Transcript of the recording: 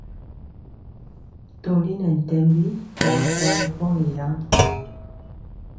Toli nɛ ntɛmbi ɓaa kwa ri pogi yaŋ.